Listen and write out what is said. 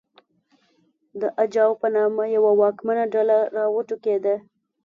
د اجاو په نامه یوه واکمنه ډله راوټوکېده